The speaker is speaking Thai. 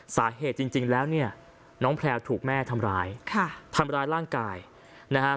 จริงแล้วเนี่ยน้องแพลวถูกแม่ทำร้ายค่ะทำร้ายร่างกายนะฮะ